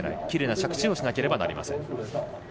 きれいな着地をしなくてはなりません。